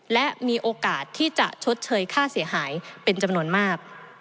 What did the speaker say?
และมีโอกาสที่จะชดเชยค่าเสียหายเป็นจำนวนมาก